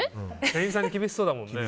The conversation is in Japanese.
店員さんに厳しそうだよね。